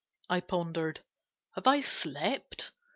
I pondered. "Have I slept?